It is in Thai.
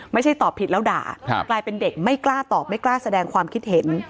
ไม่กล้าแสดงความคิดเห็น